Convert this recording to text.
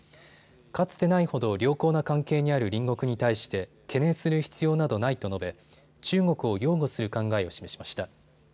かつてないほど良好な関係にある隣国に対して懸念する必要などないと述べ中国を擁護する考えを示しました。